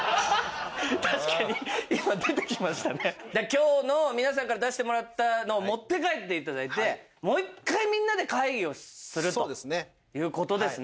今日の皆さんから出してもらったのを持って帰って頂いてもう一回みんなで会議をするという事ですね。